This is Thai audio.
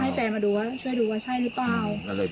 ให้แฟนมาช่วยดูว่าใช่หรือเปล่า